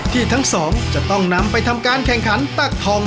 ที่ทั้งสองจะต้องนำไปทำการแข่งขันตักทอง